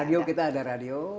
radio kita ada radio